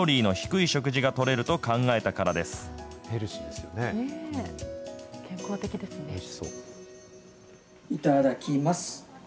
いただきます。